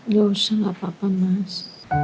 gak usah gak apa apa mas